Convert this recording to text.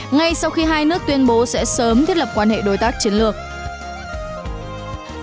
ngay sau khi hai nước tuyên bố sẽ sớm thiết lập quốc tế việt nam lào và nga